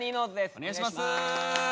お願いします！